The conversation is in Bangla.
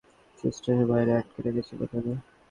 তারা অনানুষ্ঠানিকভাবে তাকে স্টেশনের বাইরে আটকে রেখেছিল, তাই না?